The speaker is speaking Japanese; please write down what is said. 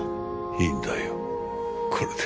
いいんだよこれで。